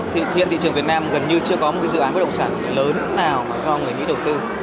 thì hiện thị trường việt nam gần như chưa có một cái dự án bất động sản lớn nào mà do người mỹ đầu tư